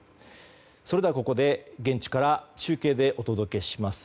それでは、ここで現地から中継でお届けします。